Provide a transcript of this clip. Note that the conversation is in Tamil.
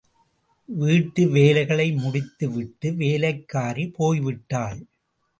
வீட்டு வேலைகளை முடித்து விட்டு வேலைக்காரி போய் விட்டாள்.